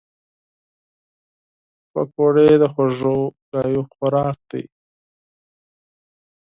پکورې د خوږو خبرو خوراک دي